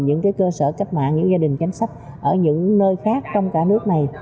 những cái cơ sở cách mạng những gia đình cánh sách ở những nơi khác trong cả nước này